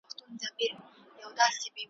هسي نه چي یوه ورځ به له خپل سیوري سره ورک سې `